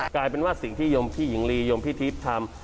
กลายเป็นว่าสิ่งที่ยมพี่หญิงลียมพี่ทิพย์ทำ